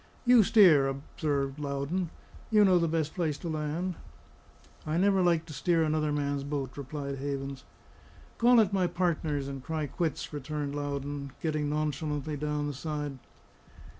"You steer," observed Loudon. "You know the best place to land." "I never like to steer another man's boat," replied Havens. "Call it my partner's, and cry quits," returned Loudon, getting nonchalantly down the side.